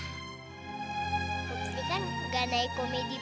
aduh kok semuanya jadi muter muter gini ya